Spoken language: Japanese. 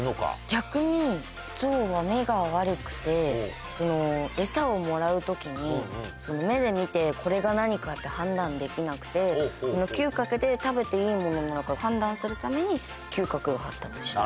逆にゾウは目が悪くて、餌をもらうときに、目で見て、これが何かって判断できなくて、嗅覚で食べていいものなのか判断するために嗅覚が発達した。